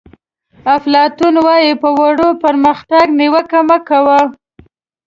افلاطون وایي په ورو پرمختګ نیوکه مه کوئ.